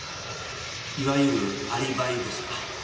いわゆるアリバイですか？